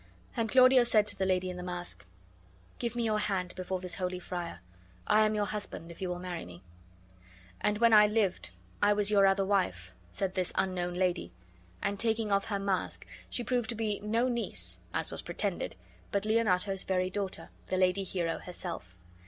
And Claudio said to the lady in the mask: "Give me your hand, before this holy friar. I am your husband, if you will marry me." "And when I lived I was your other wife," said this unknown lady; and, taking off her mask, she proved to be no niece (as was pretended), but Leonato's very daughter, the lady Hero herself.